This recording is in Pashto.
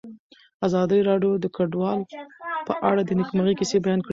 ازادي راډیو د کډوال په اړه د نېکمرغۍ کیسې بیان کړې.